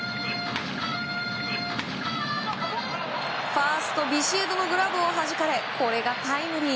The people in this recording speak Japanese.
ファースト、ビシエドのグラブをはじかれこれがタイムリー。